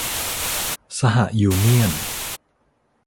สหยูเนี่ยน